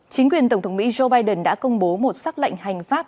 chính quyền tổng thống mỹ joe biden đã công bố một xác lệnh hành pháp